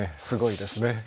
すごいですね。